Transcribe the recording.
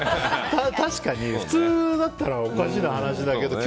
確かに普通だったらおかしな話だけどね。